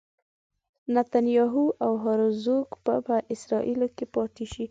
نتنیاهو او هرزوګ به په اسرائیلو کې پاتې شي.